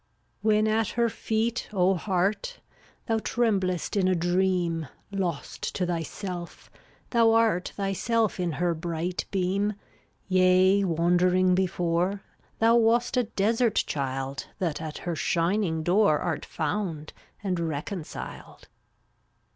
322 When at her feet, O Heart, Thou tremblest in a dream, Lost to thyself, thou art Thyself in her bright beam. Yea, wandering before, Thou wast a desert child That at her shining door Art found, and reconciled.